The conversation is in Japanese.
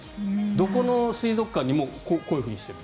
どこの水族館でもこういうふうにしている。